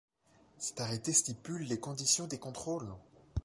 Cet arrêté stipule les conditions des contrôles.